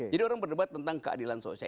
jadi orang berdebat tentang keadilan sosial